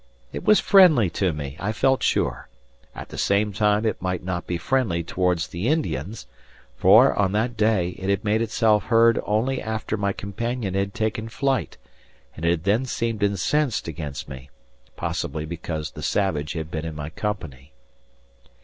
It was friendly to me, I felt sure; at the same time it might not be friendly towards the Indians; for, on that day, it had made itself heard only after my companion had taken flight; and it had then seemed incensed against me, possibly because the savage had been in my company.